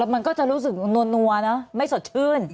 แล้วมันก็จะรู้สึกนัวไม่สดชื่น